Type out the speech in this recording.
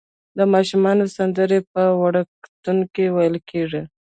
د ماشومانو سندرې په وړکتون کې ویل کیږي.